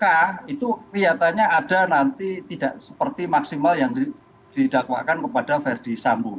maka itu kelihatannya ada nanti tidak seperti maksimal yang didakwakan kepada verdi sambo